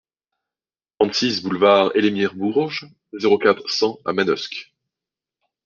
trente-six boulevard Elémir Bourges, zéro quatre, cent à Manosque